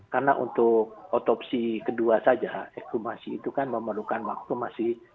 karena untuk otopsi kedua saja ekstumasi itu kan memerlukan waktu masih